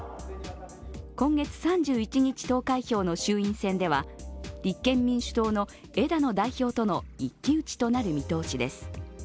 今月３１日投開票の衆院選では立憲民主党の枝野代表との一騎打ちとなる見通しです。